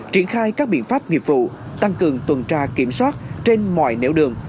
triển khai các biện pháp nghiệp vụ tăng cường tuần tra kiểm soát trên mọi nẻo đường